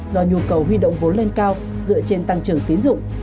do nhu cầu huy động vốn lên cao dựa trên tăng trưởng tiến dụng